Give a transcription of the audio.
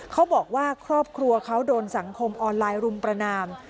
เขาบอกว่าครอบครัวเขาโดนสังคมออนไลน์รุมประนาม